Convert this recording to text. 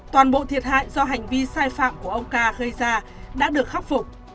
toàn bộ thiệt hại do hành vi sai phạm của ông ca gây ra đã được khắc phục